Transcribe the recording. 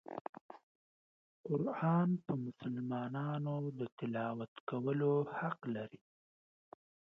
قرآن په مسلمانانو د تلاوت کولو حق لري.